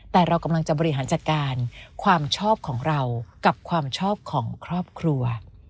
แต่เรากำลังจะบริหารจัดการความชอบของเรากับความชอบของครอบครัว